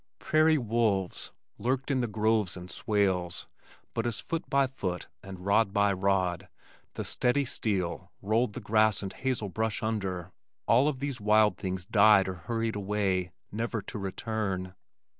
Prairie wolves lurked in the groves and swales, but as foot by foot and rod by rod, the steady steel rolled the grass and the hazel brush under, all of these wild things died or hurried away, never to return.